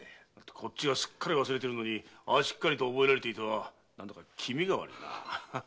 こっちはすっかり忘れているのにしっかりと覚えられていては何だか気味が悪いな。